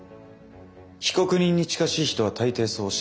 被告人に近しい人は大抵そうおっしゃいます。